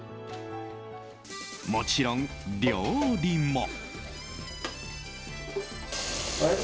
もちろん、料理も。